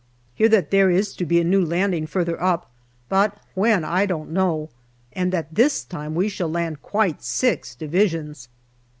Hear that there is to be a new landing further up, but when, I don't quite know, and that this time we shall land quite six Divisions.